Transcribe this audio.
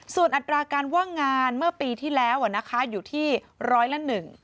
ส่วนอัตราการว่างงานเมื่อปีที่แล้วนะคะอยู่ที่ร้อยละ๑